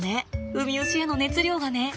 ウミウシへの熱量がね。